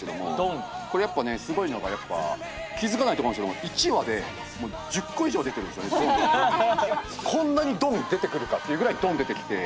これやっぱねすごいのがやっぱ気付かないと思うんですけどもこんなに「ドン！」出てくるかっていうぐらい「ドン！」出てきて。